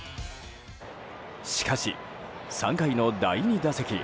しかし、３回の第２打席。